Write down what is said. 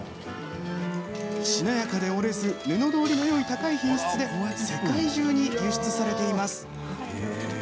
しなやかで折れず布通りのよい高い品質で世界中に輸出されています。